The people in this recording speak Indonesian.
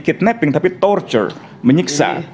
kidnapping tapi torture menyiksa